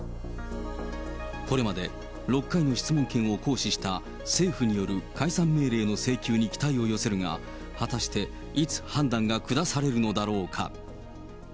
これまで６回の質問権を行使した政府による解散命令の請求に期待を寄せるが、果たしていつ判断が下されるのだろうか。